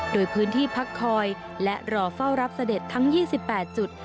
โดยพื้นที่พักคอยและรอเฝ้ารับเสด็จทั้ง๒๘จุด